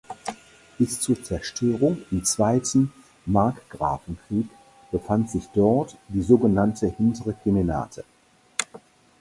Bis zur Zerstörung im Zweiten Markgrafenkrieg befand sich dort die sogenannte hintere Kemenate.